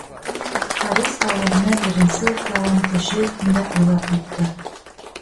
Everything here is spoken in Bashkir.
Харис ауыҙына беренсе уртлауын теше өҫтөндә оҙаҡ тотто.